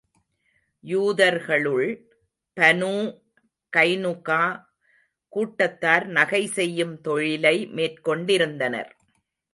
யூதர்களுள் Banu Qaynuqa கூட்டத்தார் நகை செய்யும் தொழிலை மேற்கொண்டிருந்தனர்.